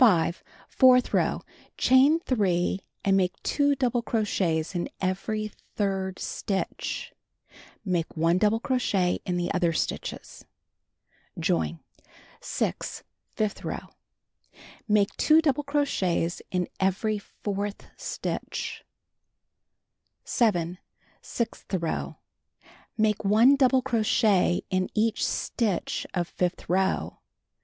Fourth row : Chain 3 and make 2 double in every third stitch, (Make 1 double crochet stitches.) Join. 6. Fifth row: Make 2 double crochets in every fourth stitch. 7. Sixth row : Make 1 double crochet in each stitch of fifth row.